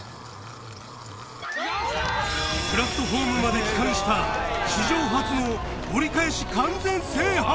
プラットホームまで帰還した史上初の折り返し完全制覇！